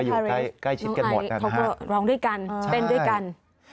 น้องไอพารีพบกับรองด้วยกันเป็นด้วยกันนะฮะ